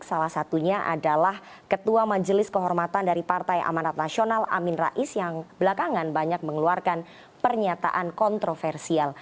salah satunya adalah ketua majelis kehormatan dari partai amanat nasional amin rais yang belakangan banyak mengeluarkan pernyataan kontroversial